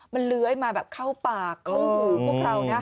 มันเลื้อยมาแบบเข้าปากเข้าหูพวกเรานะ